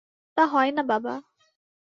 তা হয় না বাবা।